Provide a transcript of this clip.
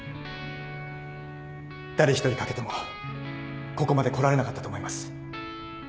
誰一人欠けてもここまで来られなかったと思います。